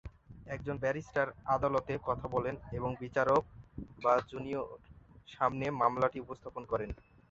একজন ব্যারিস্টার আদালতে কথা বলেন এবং বিচারক বা জুরির সামনে মামলাটি উপস্থাপন করেন।